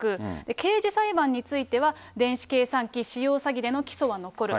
刑事裁判については、電子計算機使用詐欺での起訴は残る。